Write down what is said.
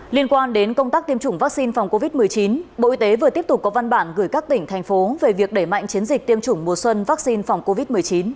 liên quan đến công tác tiêm chủng vaccine phòng covid một mươi chín bộ y tế vừa tiếp tục có văn bản gửi các tỉnh thành phố về việc đẩy mạnh chiến dịch tiêm chủng mùa xuân vaccine phòng covid một mươi chín